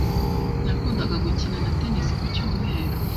Nakundaga gukina na tennis ku cyumweru.